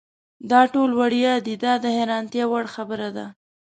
دا ټول وړیا دي دا د حیرانتیا وړ خبره ده.